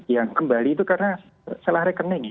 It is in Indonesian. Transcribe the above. yang kembali itu karena salah rekening